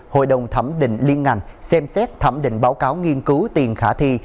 hội đồng thẩm định liên ngành xem xét thẩm định báo cáo nghiên cứu tiền khả thi